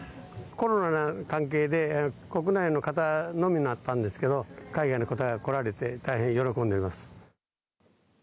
コロナの関係で国内の方のみだったんですけど海外の方がこられて大変喜んでいます。